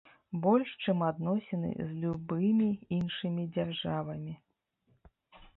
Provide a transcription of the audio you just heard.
Больш, чым адносіны з любымі іншымі дзяржавамі.